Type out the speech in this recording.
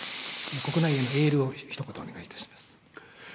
国内へのエールをひと言お願いします。